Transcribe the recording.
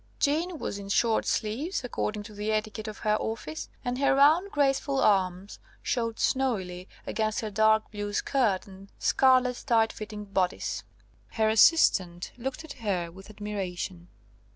Jeanne was in short sleeves, according to the etiquette of her office, and her round graceful arms showed snowily against her dark blue skirt and scarlet, tight fitting bodice. Her assistant looked at her with admiration.